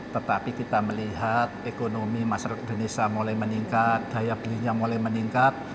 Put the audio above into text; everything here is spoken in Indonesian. tetapi kita melihat ekonomi masyarakat indonesia mulai meningkat daya belinya mulai meningkat